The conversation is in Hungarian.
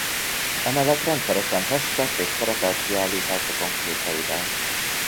Emellett rendszeresen festett és szerepelt kiállításokon képeivel.